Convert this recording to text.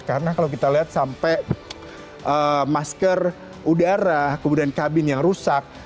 karena kalau kita lihat sampai masker udara kemudian kabin yang rusak